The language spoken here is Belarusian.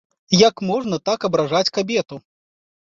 Як можна так абражаць кабету?